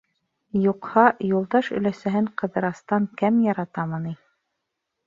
Юҡһа, Юлдаш өләсәһен Ҡыҙырастан кәм яратамы ни?